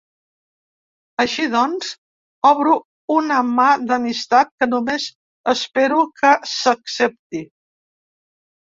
Així, doncs, obro una mà d’amistat que només espero que s’accepti.